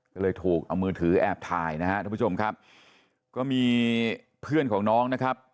ก็เลยถูกเอามือถือแอบถ่ายนะฮะทุกผู้ชมครับก็มีเพื่อนของน้องนะครับ